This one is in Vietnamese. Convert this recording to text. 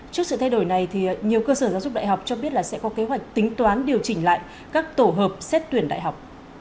trước sự thay đổi này thì nhiều cơ sở giáo dục đại học cho biết là sẽ có kế hoạch tính toán điều chỉnh lại các tổ hợp xét tuyển đại học